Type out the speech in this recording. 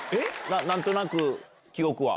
何となく記憶は？